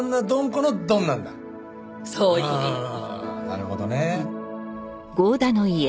なるほどね。